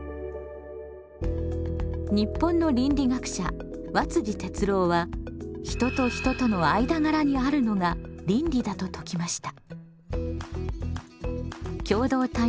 日本の倫理学者和哲郎は人と人との間柄にあるのが倫理だと説きました。